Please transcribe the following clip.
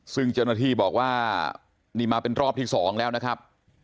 ซึ่งเจ้าหน้าที่บอกว่านี่มาเป็นรอบที่๒แล้วนะครับ